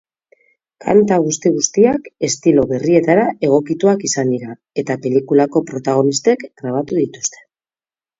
Kanta guzti-guztiak estilo berrietara egokituak izan dira, eta pelikulako protagonistek grabatu dituzte.